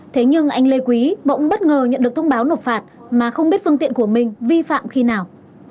thế nhưng anh lê quý bỗng bất ngờ nhận được thông báo nộp phạt mà không biết phương tiện của mình vi phạm khi nào